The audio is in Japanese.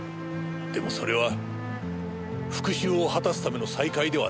でもそれは復讐を果たすための再会ではなかったはずだ。